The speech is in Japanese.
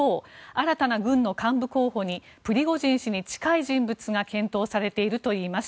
新たな軍の幹部候補にプリゴジン氏に近い人物が検討されているといいます。